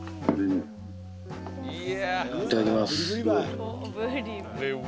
いただきます。